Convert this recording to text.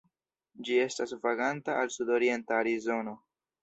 Ĝi estas vaganta al sudorienta Arizono.